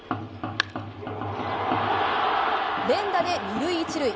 連打で２塁１塁。